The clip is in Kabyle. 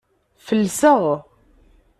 Felseɣ.